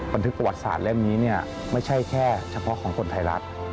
บันทึกประวัติศาสตร์เล่มนี้เนี่ยไม่ใช่แค่เฉพาะของคนไทยรัฐ